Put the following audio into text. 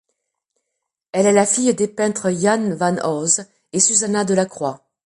Elle est la fille des peintres Jan van Os et Susanna de la Croix.